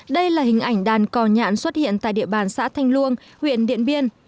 đây là hình ảnh đàn cò nhạn xuất hiện tại địa bàn xã thanh luông huyện điện biên